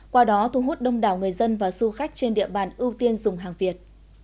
qua đó thu hút đông đảo người dân và du khách trên địa bàn ưu tiên dùng hàng việt